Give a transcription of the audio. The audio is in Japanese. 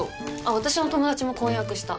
私の友達も婚約した。